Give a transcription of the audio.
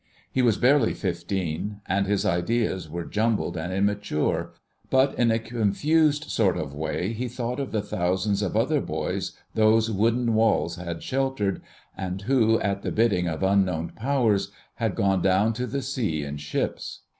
He was barely fifteen, and his ideas were jumbled and immature, but in a confused sort of way he thought of the thousands of other boys those wooden walls had sheltered, and who, at the bidding of unknown powers, had gone down to the sea in ships.